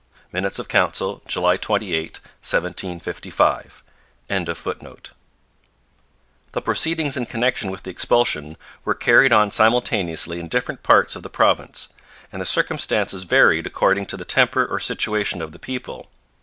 Minutes of Council, July 28, 1755.] The proceedings in connection with the expulsion were carried on simultaneously in different parts of the province; and the circumstances varied according to the temper or situation of the people.